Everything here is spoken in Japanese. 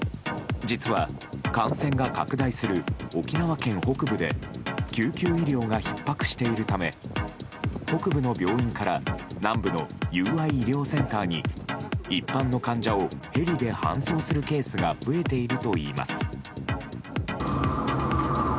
実は、感染が拡大する沖縄県北部で救急医療がひっ迫しているため北部の病院から南部の友愛医療センターに一般の患者をヘリで搬送するケースが増えているといいます。